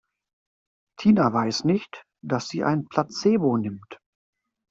Tina weiß nicht, dass sie ein Placebo nimmt.